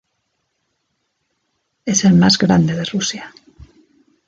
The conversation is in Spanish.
Es el más grande de Rusia.